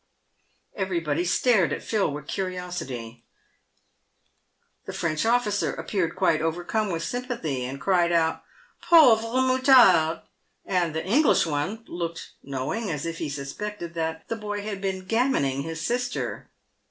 Everybody stared at Phil with curiosity. The French officer ap peared quite overcome with sympathy, and cried out, " Pauvre mou tard !" and the English one looked knowing, as if he suspected that the boy had been gammoning his sister.